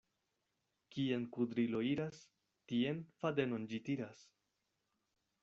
Kien kudrilo iras, tien fadenon ĝi tiras.